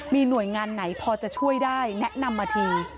มีหน่วยงานไหนพอจะช่วยได้แนะนำมาที